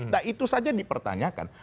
nah itu saja dipertanyakan